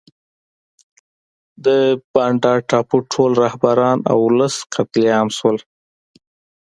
د بانډا ټاپو ټول رهبران او ولس قتل عام شول.